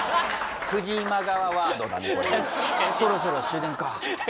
「そろそろ終電か」